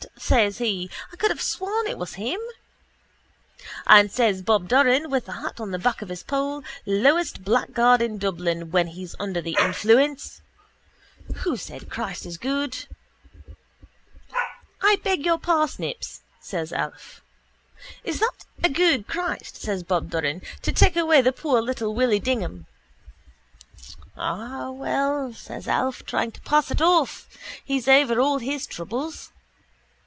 says he. I could have sworn it was him. And says Bob Doran, with the hat on the back of his poll, lowest blackguard in Dublin when he's under the influence: —Who said Christ is good? —I beg your parsnips, says Alf. —Is that a good Christ, says Bob Doran, to take away poor little Willy Dignam? —Ah, well, says Alf, trying to pass it off. He's over all his troubles.